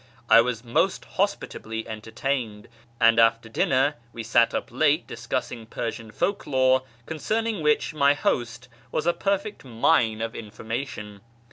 I was most hospitably entertained, and after dinner we sat up late discussing Persian folk lore, concerning which my host was a perfect mine of information.